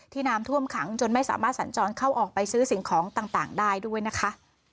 น้ำท่วมขังจนไม่สามารถสัญจรเข้าออกไปซื้อสิ่งของต่างได้ด้วยนะคะ